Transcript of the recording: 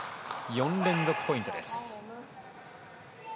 ４連続ポイントです。